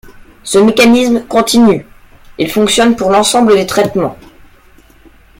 Ce mécanisme continue, il fonctionne pour l’ensemble des traitements.